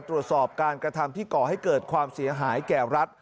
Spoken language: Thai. ตรวจสอบการกระทำที่ก่อให้เกิดความเสียหายแก่รัฐ